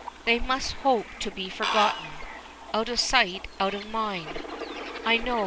"They must hope to be forgotten. 'Out of sight out of mind,' I know.